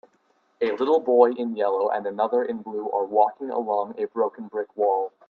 A little boy in yellow and another in blue are walking along a broken brick wall.